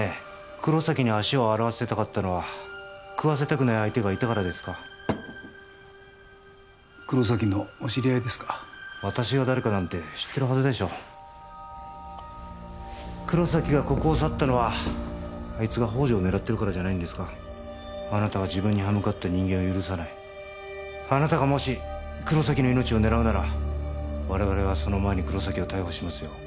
黒崎に足を洗わせたかったのは喰わせたくない相手がいたからですか黒崎のお知り合いですか私が誰かなんて知ってるはずでしょ黒崎がここを去ったのはあいつが宝条を狙ってるからじゃないんですかあなたは自分に刃向かった人間を許さないあなたがもし黒崎の命を狙うなら我々はその前に黒崎を逮捕しますよ